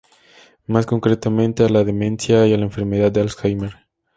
Más concretamente a la demencia y a la enfermedad de Alzheimer.